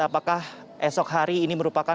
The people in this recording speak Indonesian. apakah esok hari ini merupakan